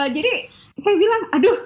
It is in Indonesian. jadi saya bilang aduh